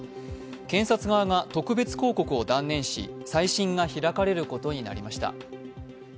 検察側が特別抗告を断念し再審が開かれることになりました。